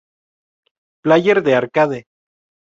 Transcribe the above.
Player de arcade.